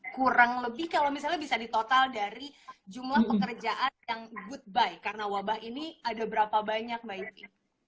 kurang lebih kalau misalnya bisa di total dari jumlah pekerjaan yang good buy karena wabah ini ada berapa banyak mbak evi